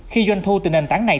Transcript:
khi doanh thu từ nền tảng này